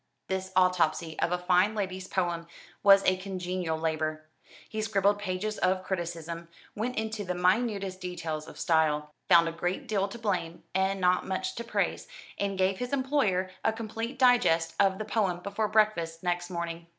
This autopsy of a fine lady's poem was a congenial labour. He scribbled pages of criticism, went into the minutest details of style, found a great deal to blame and not much to praise, and gave his employer a complete digest of the poem before breakfast next morning.